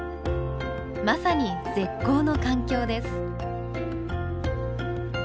まさに絶好の環境です。